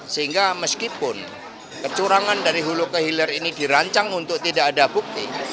sehingga meskipun kecurangan dari hulu ke hilir ini dirancang untuk tidak ada bukti